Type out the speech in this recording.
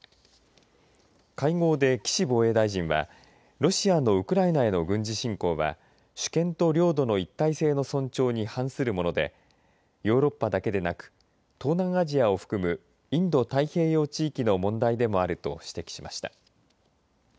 会合で岸防衛大臣はロシアのウクライナへの軍事侵攻は主権と領土の一体性の尊重に反するものでヨーロッパだけでなく東南アジアを含むインド太平洋地域の問題でもあると指摘しました。